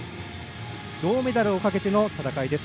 銅メダルをかけての戦いです。